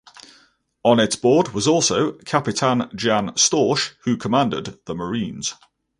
On its board was also Capitan Jan Storch who commanded the marines.